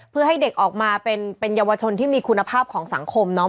เพื่อให้เด็กออกมาเป็นเยาวชนที่มีคุณภาพของสังคมเนาะ